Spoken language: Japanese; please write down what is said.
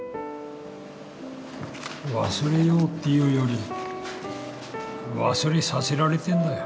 忘れようっていうより忘れさせられてんだよ。